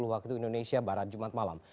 waktu indonesia barat jumat malam